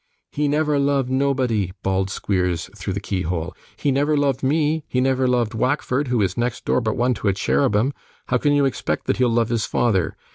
'He never loved nobody,' bawled Squeers, through the keyhole. 'He never loved me; he never loved Wackford, who is next door but one to a cherubim. How can you expect that he'll love his father?